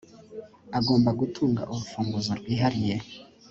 agomba gutunga urufunguzo rwihariye